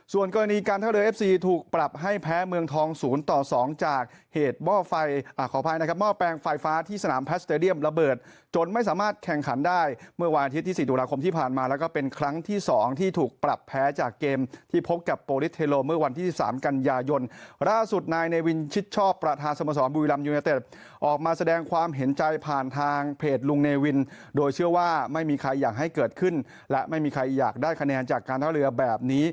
ส่วนกรณีการท่าเรือเอฟซีถูกปรับให้แพ้เมืองทองศูนย์ต่อสองจากเหตุเบาะไฟขอบภัยนะครับเบาะแปลงไฟฟ้าที่สนามแพลตสเตอร์เดียมระเบิดจนไม่สามารถแข่งขันได้เมื่อวานอาทิตย์ที่สิบหน้าคมที่ผ่านมาแล้วก็เป็นครั้งที่สองที่ถูกปรับแพ้จากเกมที่พบกับโปรลิสเทโลเมื่อวันที่สามกัน